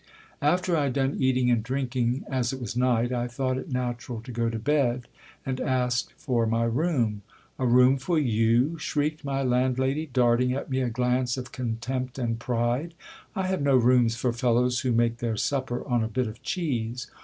After I had done eating and drinking, as it was night, I thought it natural to go to bed, and asked for my room. A room for you ! shrieked my landlady, darting at me a glance of contempt and pride ; I have no rooms for fellows who make their supper on a bit of cheese.